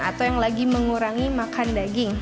atau yang lagi mengurangi makan daging